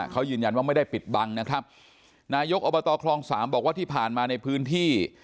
เขายืนยันว่าไม่ได้ปิดบังนะครับนายกอบตคลองสามบอกว่าที่ผ่านมาในพื้นที่